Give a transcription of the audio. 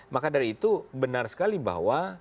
maka dari itu benar sekali bahwa